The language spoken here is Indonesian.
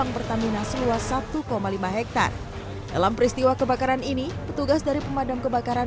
pertamina seluas satu lima hektare dalam peristiwa kebakaran ini petugas dari pemadam kebakaran